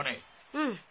うん。